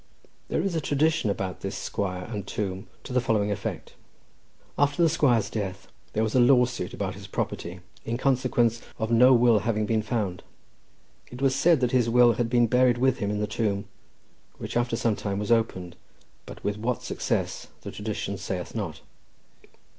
There is a tradition about this squire and tomb, to the following effect. After the squire's death there was a lawsuit about his property, in consequence of no will having been found. It was said that his will had been buried with him in the tomb, which after some time was opened, but with what success the tradition sayeth not.